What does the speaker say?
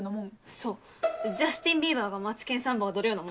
そうジャスティン・ビーバーが『マツケンサンバ』踊るようなもん。